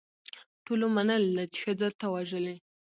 ټولو منلې ده چې ښځه تا وژلې.